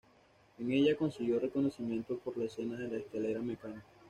En ella, consiguió reconocimiento por la escena de la escalera mecánica.